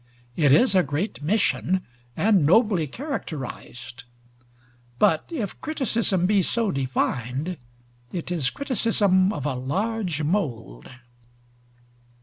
It is a great mission, and nobly characterized; but if criticism be so defined, it is criticism of a large mold.